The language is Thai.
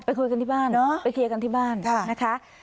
คุยกันที่บ้านไปเคลียร์กันที่บ้านนะคะ